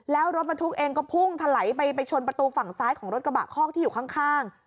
แล้วรถบรรทุกเองก็พุ่งถลายไปไปชนประตูฝั่งซ้ายของรถกระบะคอกที่อยู่ข้าง